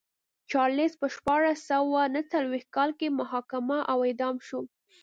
چارلېز په شپاړس سوه نه څلوېښت کال کې محاکمه او اعدام شو.